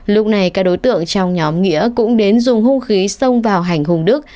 lúc này các đối tượng trong nhóm nghĩa cũng đến dùng hung khí xông vào hành hùng đức